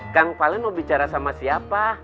kang valen mau bicara sama siapa